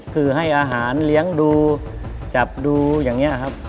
คือให้อาหารเลี้ยงดูจับดูอย่างนี้ครับ